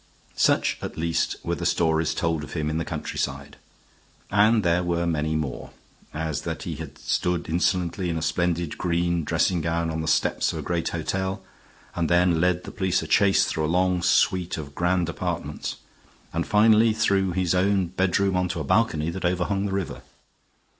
Such, at least, were the stories told of him in the countryside, and there were many more as that he had stood insolently in a splendid green dressing gown on the steps of a great hotel, and then led the police a chase through a long suite of grand apartments, and finally through his own bedroom on to a balcony that overhung the river.